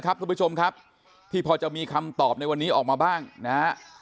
ทุกผู้ชมครับที่พอจะมีคำตอบในวันนี้ออกมาบ้างนะฮะ